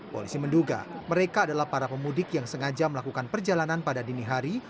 polisi menduga mereka adalah para pemudik yang sengaja melakukan perjalanan pada dini hari